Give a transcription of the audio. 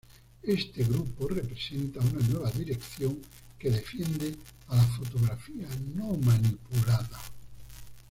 Este grupo representa una nueva dirección que defiende a la fotografía no manipulada.